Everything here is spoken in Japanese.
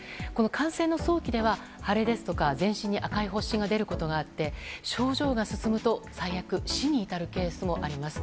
感染の早期では腫れですとか全身に赤い発疹が出ることがあって症状が進むと最悪、死に至るケースもあります。